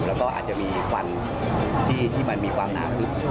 แล้วก็อาจจะมีควันที่มันมีความหนาขึ้น